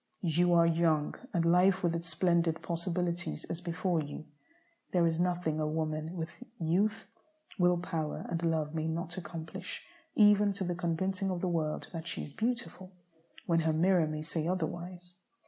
You are young, and life with its splendid possibilities is before you. There is nothing a woman with youth, will power, and love may not accomplish even to the convincing of the world that she is beautiful, when her mirror may say otherwise.